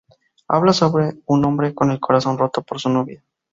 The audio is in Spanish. Habla sobre un hombre con el corazón roto por su novia.